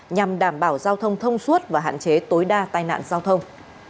nhằm đảm bảo giao thông thông suốt và hạn chế tối đa tai nạn giao thông